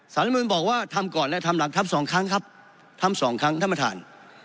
รัฐมนุนบอกว่าทำก่อนและทำหลักทัพสองครั้งครับทำสองครั้งท่านประธาน